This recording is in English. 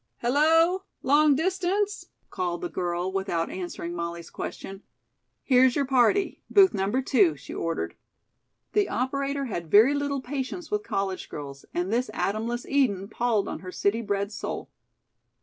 "Hello! Long distance?" called the girl, without answering Molly's question. "Here's your party. Booth No. 2," she ordered. The operator had very little patience with college girls, and this Adamless Eden palled on her city bred soul.